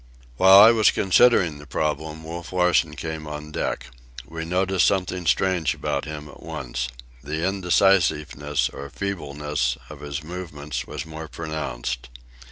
While I was considering the problem, Wolf Larsen came on deck. We noticed something strange about him at once. The indecisiveness, or feebleness, of his movements was more pronounced.